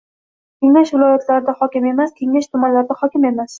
Kengash viloyatlarda hokim emas, Kengash tumanlarda hokim emas